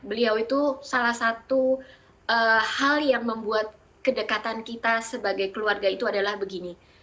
beliau itu salah satu hal yang membuat kedekatan kita sebagai keluarga itu adalah begini